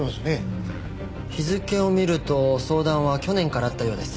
日付を見ると相談は去年からあったようです。